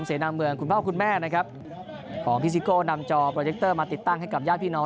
เสนามเมืองคุณพ่อคุณแม่นะครับของพิซิโก้นำจอมาติดตั้งให้กับย่าพี่น้อง